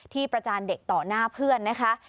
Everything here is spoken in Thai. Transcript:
ประจานเด็กต่อหน้าเพื่อนนะคะ